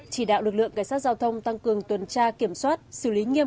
chỉ đạo lực lượng cảnh sát giao thông tăng cường tuần tra kiểm soát xử lý nghiêm